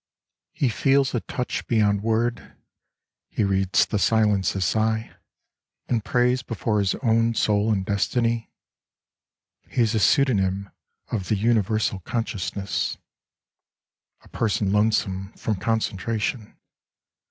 He feels a touch beyond word. He reads the silencers sigh, And prays before his own soul and destiny : He is a pseudonym of the universal consciousness. The Buddha Priest in Meditation , loi A person lonesome from concentration.